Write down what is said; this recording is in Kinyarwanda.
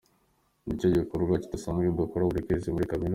Nicyo gikorwa dusanzwe dukora buri kwezi muri kaminuza.